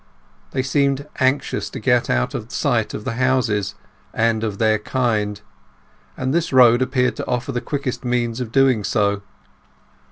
They seemed anxious to get out of the sight of the houses and of their kind, and this road appeared to offer the quickest means of doing so.